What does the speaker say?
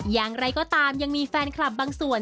อย่างไรก็ตามยังมีแฟนคลับบางส่วน